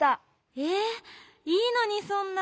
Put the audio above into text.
えっいいのにそんな。